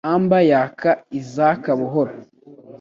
Amber yaka izaka buhoro